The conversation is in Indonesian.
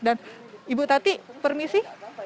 dan ibu tati permisi